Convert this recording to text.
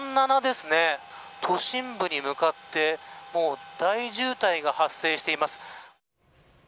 都心部に向かって第渋滞が発生しています。